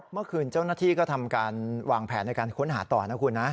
เมื่อคืนเจ้าหน้าที่ก็ทำการวางแผนในการค้นหาต่อนะคุณนะ